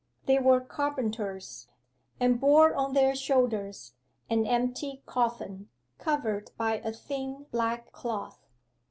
They were carpenters, and bore on their shoulders an empty coffin, covered by a thin black cloth.